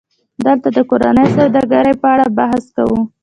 دلته د کورنۍ سوداګرۍ په اړه بحث کوو